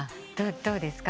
どうですか？